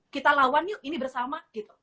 kita lawan yuk ini bersama gitu